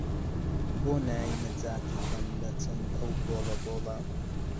بۆ نایەی نەجاتت دەم لە چنگ ئەو بۆڵە بۆڵە